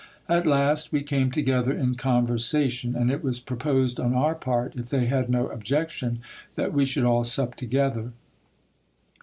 At last we came together in conversation, and it was proposed on our part, if they had no objection, that we should all sup together.